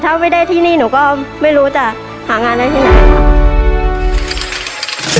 ถ้าไม่ได้ที่นี่หนูก็ไม่รู้จะหางานได้ที่ไหนครับ